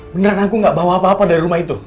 beneran aku gak bawa apa apa dari rumah itu